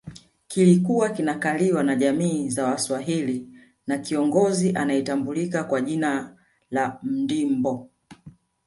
Kilikuwa kinakaliwa na jamii za Waswahili na kiongozi anayetambulika kwa jina la Mndimbo